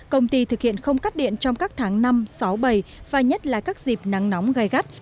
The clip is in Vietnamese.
công ty thực hiện không cắt điện trong các tháng năm sáu bảy và nhất là các dịp nắng nóng gai gắt